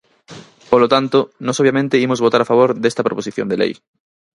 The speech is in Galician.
Polo tanto, nós obviamente imos votar a favor desta proposición de lei.